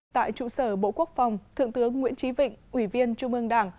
tại trụ sở bộ quốc phòng thượng tướng nguyễn trí vịnh ủy viên trung ương đảng